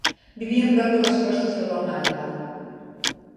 Vivien prop de les costes de Long Island.